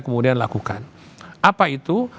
kemudian lakukan apa itu